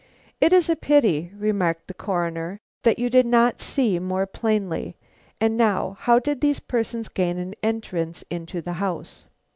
"It is a pity," remarked the Coroner, "that you did not see more plainly. And, now, how did these persons gain an entrance into the house?"